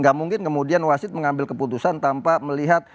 gak mungkin kemudian wasid mengambil keputusan tanpa melihat